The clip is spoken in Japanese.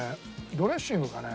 ドレッシングかね？